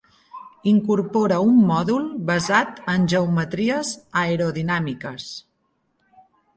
Incorpora un mòdul basat en geometries aerodinàmiques.